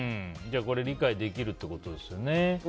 じゃあ理解できるってことですよね。